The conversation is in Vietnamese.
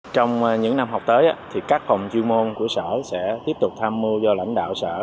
trong những năm học tới các phòng chuyên môn của sở sẽ tiếp tục tham mưu cho lãnh đạo sở